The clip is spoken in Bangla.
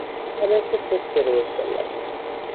আমি একটা শক্তি অনুভব করলাম।